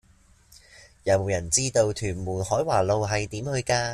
有無人知道屯門海華路係點去㗎